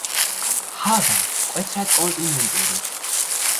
ჰავა მკვეთრად კონტინენტური.